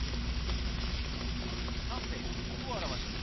「カフェ」と表します。